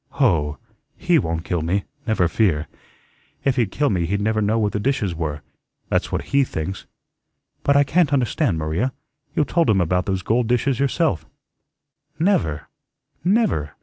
"Hoh! HE won't kill me, never fear. If he'd kill me he'd never know where the dishes were; that's what HE thinks." "But I can't understand, Maria; you told him about those gold dishes yourself." "Never, never!